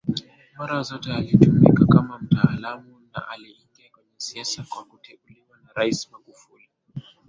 mara zote alitumika kama mtaalamu na aliingia kwenye siasa kwa kuteuliwa na Rais Magufuli